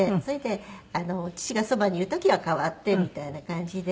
それで父がそばにいる時は代わってみたいな感じで。